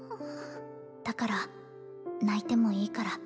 だから泣いてもいいから